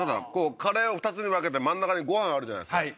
カレーを２つに分けて真ん中にご飯あるじゃないですか。